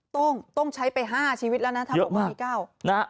ต้งต้งใช้ไปห้าชีวิตแล้วนะเยอะมากถ้าบอกมาที่เก้านะฮะ